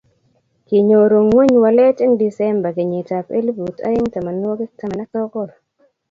kinyoru ng'ony walet eng' disemba kenyitab elput oeng' tamanwokik taman ak sokol